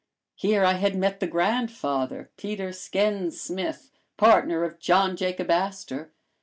Here I had met the grandfather, Peter Sken Smith, partner of John Jacob Astor.